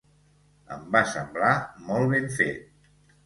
Em va semblar molt ben fet.